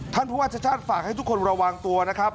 ผู้ว่าชาติชาติฝากให้ทุกคนระวังตัวนะครับ